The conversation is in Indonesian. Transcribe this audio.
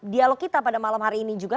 dialog kita pada malam hari ini juga